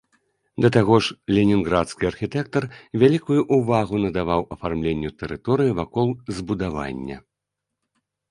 Да таго ж ленінградскі архітэктар вялікую ўвагу надаваў афармленню тэрыторыі вакол збудавання.